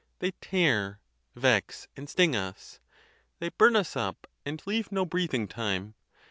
they tear, vex, and sting us —they burn us up, and leave no breathing time.